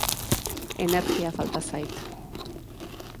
Energia falta zait.